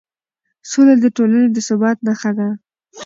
سوله د ټولنې د ثبات نښه ده